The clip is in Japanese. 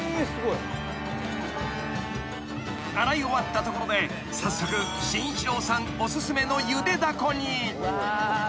［洗い終わったところで早速信一郎さんおすすめの］